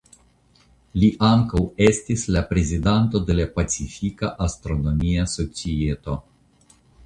Li ankaŭ estis la prezidanto de la Pacifika Astronomia Societo.